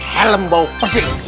helm bau persik